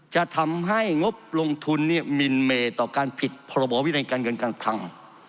จะทำให้งบลงทุนเนี่ยมินเมตต่อการผิดพบวิทยาลัยการเงินการทาง